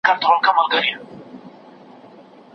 ښکاري زرکي ته اجل کړی کمین وو